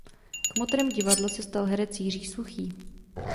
Kmotrem divadla se stal herec Jiří Suchý.